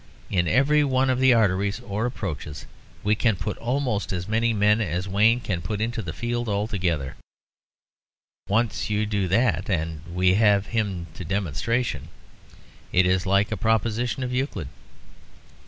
In every one of the arteries, or approaches, we can put almost as many men as Wayne can put into the field altogether. Once do that, and we have him to demonstration. It is like a proposition of Euclid."